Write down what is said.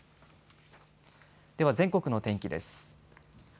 では全国の天気です。